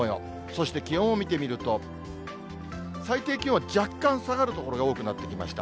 そして気温を見てみると、最低気温は若干下がる所が多くなってきました。